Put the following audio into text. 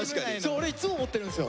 俺いつも思ってるんすよ！